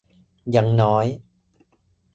ยังน้อย